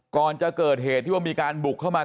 ก่อนจะเกิดเหตุที่ว่ามีการบุกเข้ามา